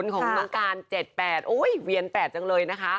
ของน้องการ๗๘โอ้ยเวียน๘จังเลยนะคะ